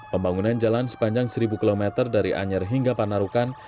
pembangunan jalan sepanjang seribu km dari anyer hingga panarukan